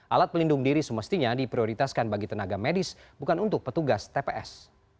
alat pelindung diri semestinya diprioritaskan bagi tenaga medis bukan untuk petugas tps